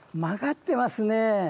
曲がってますね。